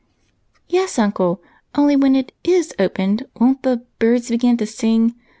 " Yes, uncle, only when it is opened won't ' the birds begin to sing ?